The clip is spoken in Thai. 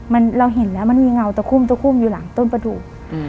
มันเราเห็นแล้วมันมีเงาตะคุ่มตะคุ่มอยู่หลังต้นประดูก